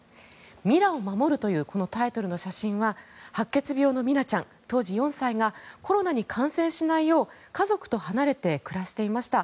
「ミラを守る」というタイトルの写真は白血病のミラちゃん、当時４歳がコロナに感染しないよう家族と離れて暮らしていました。